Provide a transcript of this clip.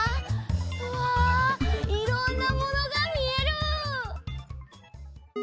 うわいろんなものがみえる！